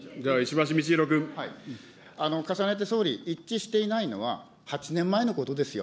重ねて総理、一致していないのは８年前のことですよ。